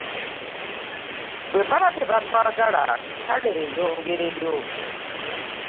Bwe baba tebatwagala kale beeyongereyo.